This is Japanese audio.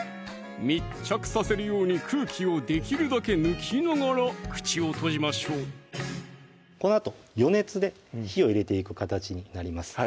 密着させるように空気をできるだけ抜きながら口を閉じましょうこのあと余熱で火を入れていく形になります